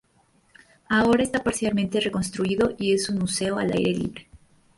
Ahora está parcialmente reconstruido y es un museo al aire libre.